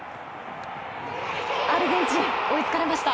アルゼンチン追いつかれました。